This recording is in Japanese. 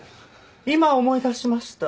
今思い出しました。